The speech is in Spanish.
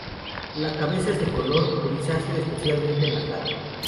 La cabeza es de color grisáceo, especialmente en la cara.